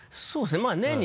そうですね